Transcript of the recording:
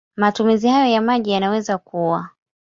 Matumizi hayo ya maji yanaweza kuwa